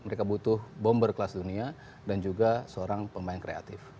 mereka butuh bomber kelas dunia dan juga seorang pemain kreatif